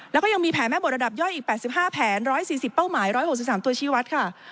แล้วก็ยังมีแผนแม่บทระดับย่อยอีก๘๕แผน๑๔๐เป้าหมาย๑๖๓ตัวชีวัตรค่ะ